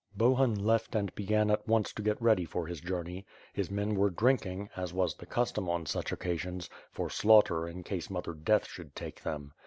Bohun left and began at once to get ready for his journey. His men were drinking, as was the custom on such occasions, for slaughter in case Mother Death should take them.